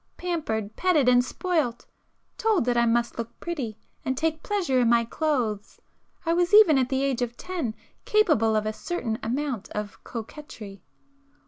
Pampered, petted and spoilt, told that I must 'look pretty' and take pleasure in my clothes, I was even at the age of ten, capable of a certain amount of coquetry.